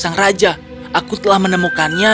udah gak mungkin terlalu lama lagi